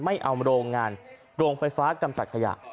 ไม่เอาโรงงานโรงไฟฟ้ากำจัดขยะ